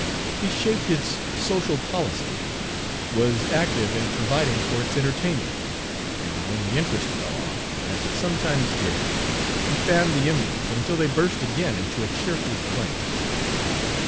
He shaped its social policy, was active in providing for its entertainment, and when the interest fell off, as it sometimes did, he fanned the embers until they burst again into a cheerful flame.